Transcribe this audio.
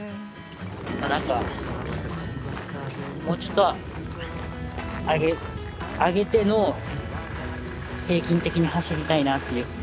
もうちょっと上げての平均的に走りたいなっていう。